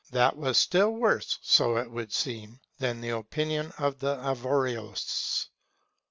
That was still worse, so it would seem, than the opinion of the Averroists.